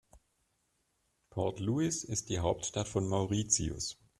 Port Louis ist die Hauptstadt von Mauritius.